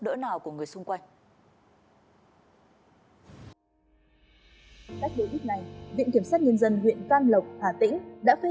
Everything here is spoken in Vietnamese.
đỡ nào của người xung quanh ở các nước này viện kiểm soát nhân dân huyện can lộc hà tĩnh đã phê